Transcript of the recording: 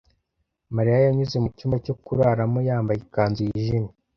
Mariya yanyuze mu cyumba cyo kuraramo yambaye ikanzu yijimye.